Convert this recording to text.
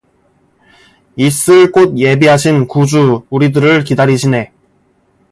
있을 곳 예비하신 구 주 우리들을 기다리시네.